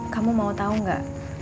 kamu mau tau gak